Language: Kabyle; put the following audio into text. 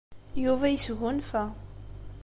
Yuba yesgunfa.